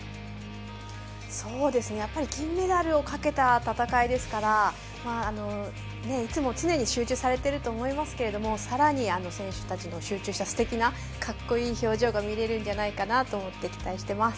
やっぱり金メダルをかけた戦いですからいつも常に集中されていると思いますけれどもさらに選手たちも集中したすてきな格好いい表情が見れるんじゃないかなと思って期待しています。